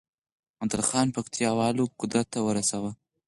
نادرخان پکتياوالو قدرت ته ورساوه